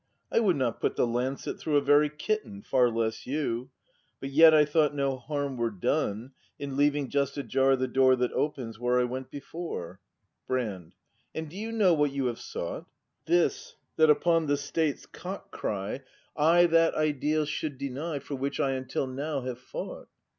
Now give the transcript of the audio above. I would not put the lancet through A very kitten — far less you; But yet I thought no harm were done In leaving just ajar the door That opens, where I went before. Brand. ght? And do you know what you have soug This, that upon the State's cock cry 244 BRAND [act v I that Ideal should deny For which I until now have fought